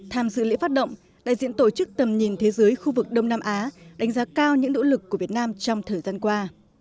tham dự lễ phát động đại diện tổ chức tầm nhìn thế giới khu vực đông nam á đánh giá cao những nỗ lực của việt nam trong thời gian qua